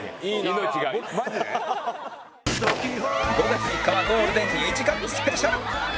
５月３日はゴールデン２時間スペシャル